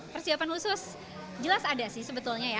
persiapan khusus jelas ada sih sebetulnya ya